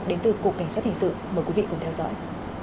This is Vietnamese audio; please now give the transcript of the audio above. đến từ cục cảnh sát hình sự mời quý vị cùng theo dõi